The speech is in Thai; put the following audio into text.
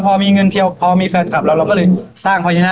พอมีเงินเพียวพอมีแฟนกลับเราเราก็เลยสร้างภาชนะ